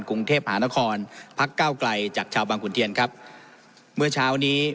กรุงเทพหานครพักเก้าไกลจากชาวบางขุนเทียนครับเมื่อเช้านี้